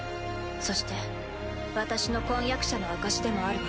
そして私の婚約者の証しでもあるわ。